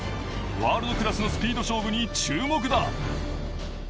ワールドクラスのスピード勝負に注目だ。